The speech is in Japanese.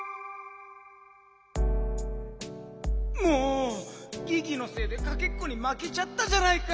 もうギギのせいでかけっこにまけちゃったじゃないか！